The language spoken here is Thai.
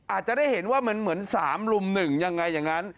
อาจจะได้เห็นว่ามันเหมือน๓ลุม๑ยังไงอย่างนั้น